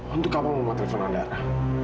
untuk apa mau mau telepon andara